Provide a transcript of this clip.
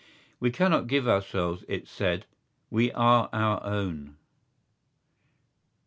We cannot give ourselves, it said: we are our own.